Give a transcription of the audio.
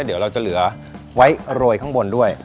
เดี๋ยวเราจะเหลือไว้โรยข้างบนด้วย